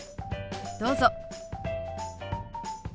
どうぞ。